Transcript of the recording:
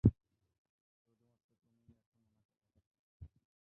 শুধুমাত্র তুমিই এখন ওনাকে বাঁচাতে পারো।